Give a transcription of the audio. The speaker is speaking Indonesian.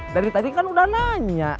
dari tadi kan udah nanya